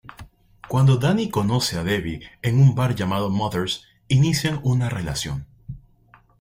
Cuando Danny conoce a Debbie en un bar llamado Mother's, inician una relación.